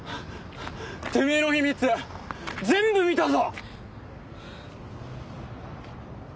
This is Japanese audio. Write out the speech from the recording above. てめぇの秘密全部見たぞ！